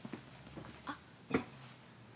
あっ。